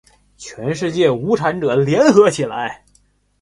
全世界无产者，联合起来！